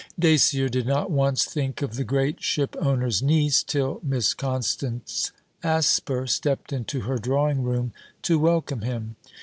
Dacier did not once think of the great ship owner's niece till Miss Constance Asper stepped into her drawing room to welcome him.